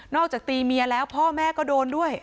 ตีเมียแล้วพ่อแม่ก็โดนด้วย